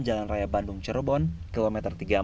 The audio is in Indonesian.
jalan raya bandung cirebon km tiga puluh empat tiga puluh delapan